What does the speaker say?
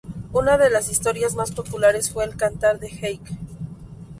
Una de las historias más populares fue el "Cantar de Heike".